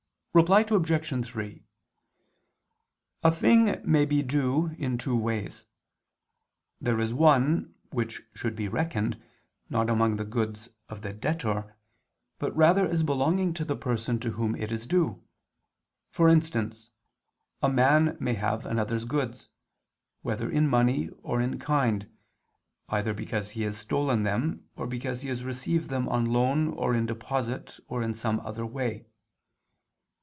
Reply Obj. 3: A thing may be due in two ways. There is one which should be reckoned, not among the goods of the debtor, but rather as belonging to the person to whom it is due: for instance, a man may have another's goods, whether in money or in kind, either because he has stolen them, or because he has received them on loan or in deposit or in some other way.